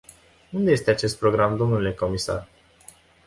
Unde este acest program, dle comisar?